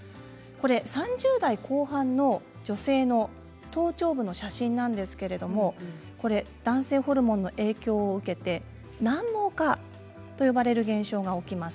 ３０代後半の女性の頭頂部の写真なんですけれども男性ホルモンの影響を受けて軟毛化と呼ばれる現象が起こります。